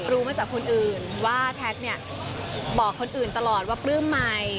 รู้มาจากคนอื่นว่าแท็กเนี่ยบอกคนอื่นตลอดว่าปลื้มใหม่